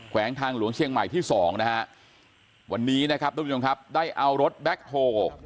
วงทางหลวงเชียงใหม่ที่สองนะฮะวันนี้นะครับทุกผู้ชมครับได้เอารถแบ็คโฮ